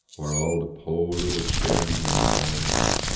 Whar all de po little chilhin am a goin